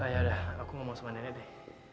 yaudah aku ngomong sama nenek deh